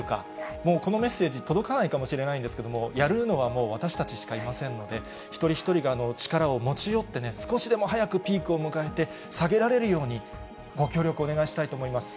もうこのメッセージ、届かないかもしれないんですけれども、やるのはもう私たちしかいませんので、一人一人が力を持ち寄ってね、少しでも早くピークを迎えて、下げられるように、ご協力をお願いしたいと思います。